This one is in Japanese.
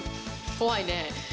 怖いね。